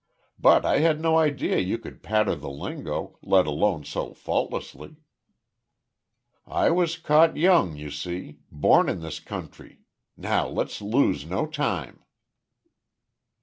But, I had no idea you could patter the lingo, let alone so faultlessly." "I was caught young, you see. Born in this country. Now let's lose no time."